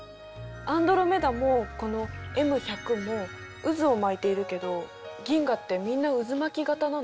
アンドロメダもこのＭ１００も渦を巻いているけど銀河ってみんな渦巻き型なの？